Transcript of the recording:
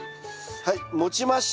はい持ちました。